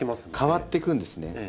変わっていくんですね。